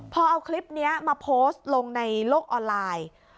พอเอาคลิปนี้มาโพสต์ลงในโลกออนไลน์